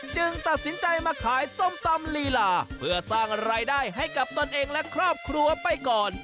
ตัดสินใจมาขายส้มตำลีลาเพื่อสร้างรายได้ให้กับตนเองและครอบครัวไปก่อน